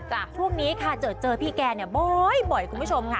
ช่วงนี้เจอพี่แกบ่อยคุณผู้ชมค่ะ